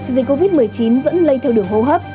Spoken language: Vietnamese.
dịch covid một mươi chín vẫn lây theo đường hô hấp